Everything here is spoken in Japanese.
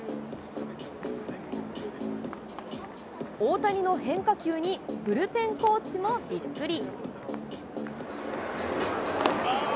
大谷の変化球に、ブルペンコーチもびっくり。